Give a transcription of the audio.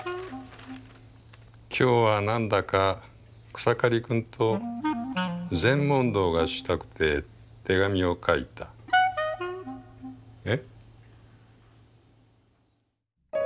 「きょうはなんだか草刈くんと禅問答がしたくて手紙を書いた」。え？